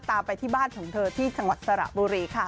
ก็ตามไปที่บ้านของเธอที่สหรัฐสรบุรีค่ะ